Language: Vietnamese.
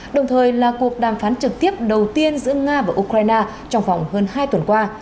đồng thời là cuộc đàm phán trực tiếp đầu tiên giữa nga và ukraine trong vòng hơn hai tuần qua